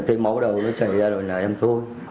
thấy máu đầu nó chảy ra rồi là em thôi